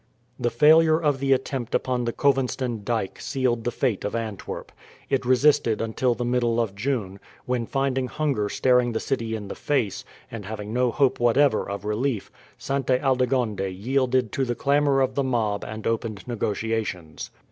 The failure of the attempt upon the Kowenstyn dyke sealed the fate of Antwerp. It resisted until the middle of June; when finding hunger staring the city in the face, and having no hope whatever of relief, Sainte Aldegonde yielded to the clamour of the mob and opened negotiations.